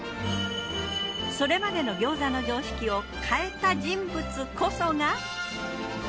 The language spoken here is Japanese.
それまでの餃子の常識を変えた人物こそが。